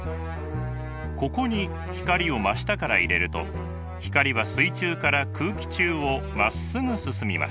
ここに光を真下から入れると光は水中から空気中をまっすぐ進みます。